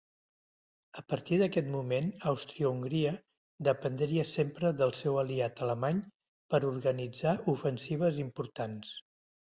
A partir d'aquest moment Àustria-Hongria dependria sempre del seu aliat alemany per organitzar ofensives importants.